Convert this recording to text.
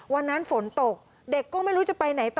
วันนั้นฝนตกเด็กก็ไม่รู้จะไปไหนต่อ